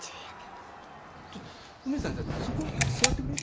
ちょっと梅津さんさそこ座ってくれる？